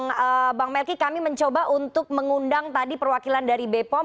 oke bang melki kami mencoba untuk mengundang tadi perwakilan dari bepom